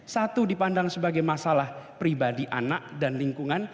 satu dipandang sebagai masalah pribadi anak dan lingkungan